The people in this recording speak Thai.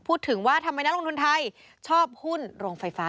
พูดถึงว่าทำไมนักลงทุนไทยชอบหุ้นโรงไฟฟ้า